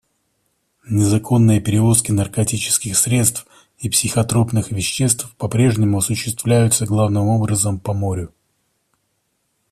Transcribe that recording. Незаконные перевозки наркотических средств и психотропных веществ по-прежнему осуществляются главным образом по морю.